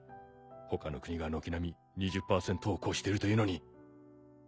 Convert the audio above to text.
他の国が軒並み２０％を超しているというのに。